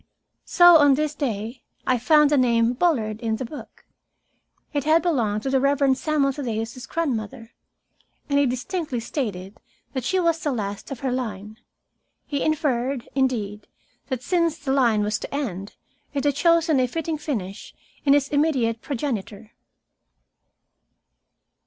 So on this day I found the name Bullard in the book. It had belonged to the Reverend Samuel Thaddeus's grandmother, and he distinctly stated that she was the last of her line. He inferred, indeed, that since the line was to end, it had chosen a fitting finish in his immediate progenitor.